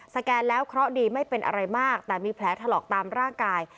แกนแล้วเคราะห์ดีไม่เป็นอะไรมากแต่มีแผลถลอกตามร่างกาย